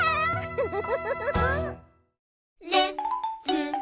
フフフ。